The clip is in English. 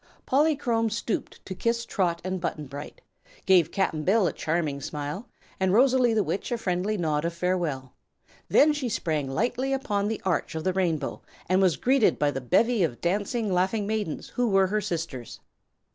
Polychrome stooped to kiss Trot and Button Bright, gave Cap'n Bill a charming smile and Rosalie the Witch a friendly nod of farewell. Then she sprang lightly upon the arch of the Rainbow and was greeted by the bevy of dancing, laughing maidens who were her sisters.